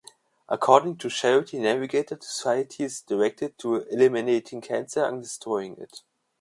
According to Charity Navigator the society is directed to "eliminating cancer" and destroying it.